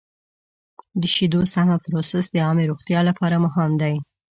د شیدو سمه پروسس د عامې روغتیا لپاره مهم دی.